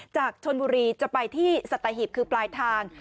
จากชนบุรีจะไปที่สัตหีบคือปลายทาง